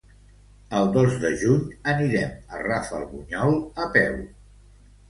El dos de juny anirem a Rafelbunyol a peu.